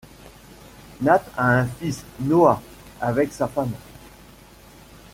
Nate a un fils, Noah, avec sa femme.